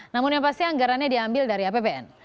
namun yang pasti anggarannya diambil dari apbn